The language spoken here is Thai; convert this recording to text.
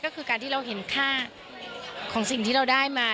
ก็คือการที่เราเห็นค่าของสิ่งที่เราได้มา